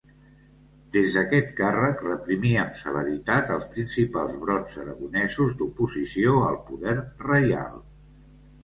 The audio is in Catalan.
Des d'aquest càrrec reprimí amb severitat els principals brots aragonesos d'oposició al poder reial.